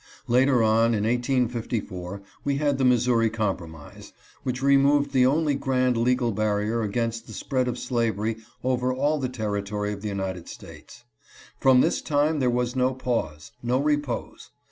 Later on, in 1854, we had the Missouri compromise, which removed the only grand legal barrier against the spread of slavery over all the territory of the United States. From this time there was no pause, no repose.